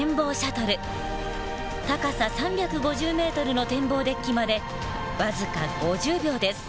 高さ３５０ｍの天望デッキまで僅か５０秒です。